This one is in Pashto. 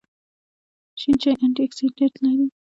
شین چای انټي اکسیډنټ لري